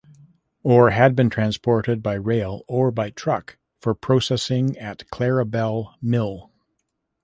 Ore had been transported by rail or by truck for processing at Clarabelle Mill.